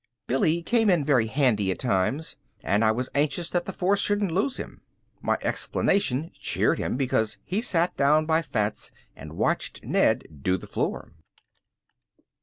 Billy came in very handy at times and I was anxious that the force shouldn't lose him. My explanation cheered him because he sat down by Fats and watched Ned do the floor.